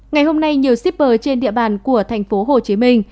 ngày hôm nay nhiều shipper trên địa bàn của thành phố hồ chí minh